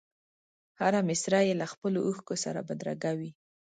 هره مسره یې له خپلو اوښکو سره بدرګه وي.